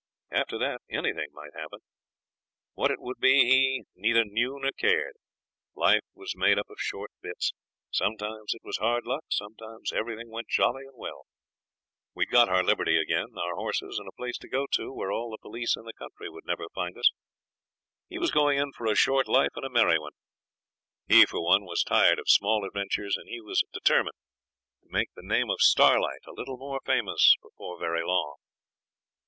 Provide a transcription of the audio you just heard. After that anything might happen. What it would be he neither knew nor cared. Life was made up of short bits; sometimes it was hard luck; sometimes everything went jolly and well. We'd got our liberty again, our horses, and a place to go to, where all the police in the country would never find us. He was going in for a short life and a merry one. He, for one, was tired of small adventures, and he was determined to make the name of Starlight a little more famous before very long.